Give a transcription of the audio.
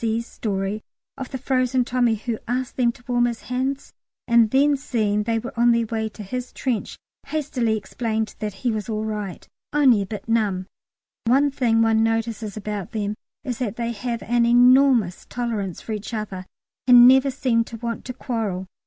C.'s story of the frozen Tommy who asked them to warm his hands, and then seeing they were on their way to his trench hastily explained that he was all right only a bit numb. One thing one notices about them is that they have an enormous tolerance for each other and never seem to want to quarrel.